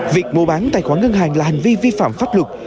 việc mua bán tài khoản ngân hàng là hành vi vi phạm pháp luật